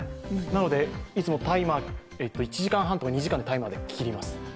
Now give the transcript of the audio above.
なのでいつも１時間半とか２時間のタイマーで切ります。